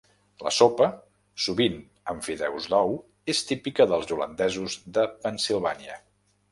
La sopa, sovint amb fideus d'ou, és típica dels holandesos de Pennsilvània.